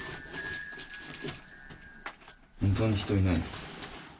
本当に人いない。